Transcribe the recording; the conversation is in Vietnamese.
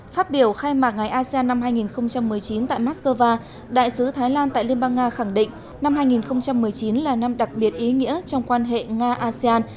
phát biểu khai mạc ngày asean năm hai nghìn một mươi chín tại moscow đại sứ thái lan tại liên bang nga khẳng định năm hai nghìn một mươi chín là năm đặc biệt ý nghĩa trong quan hệ nga asean